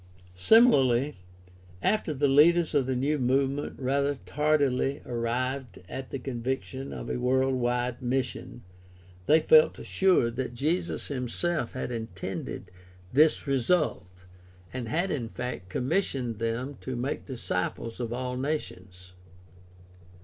Similarly, after the leaders of the new movement rather tardily arrived at the conviction of a world wide mission they felt assured that Jesus himself had intended this result and had in fact 268 GUIDE TO STUDY OF CHRISTIAN RELIGION commissioned them to make disciples of all nations (Matt.